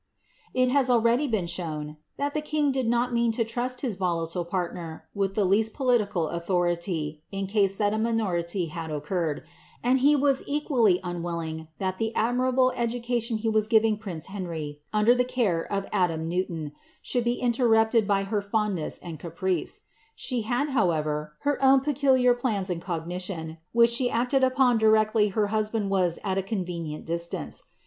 It has alrrady been shown, ihrtl llie kiiiir iliJ nil mean lo Ini^i :.;• volatile partner with llie k'asl political aulhonly in case thai a muiuri'v hail occurred; aiiJ lio uas equully uiiirilJJ; ig llial the atlriiirable eilurj lion he was giving prince Henry, under the care of .Adam IVewiPC. should be interrupted b} her fondness and caprice. She had, howertr. her own peculiar plans in cogitation, which she acted upon directly ha husband was at a convenient distance.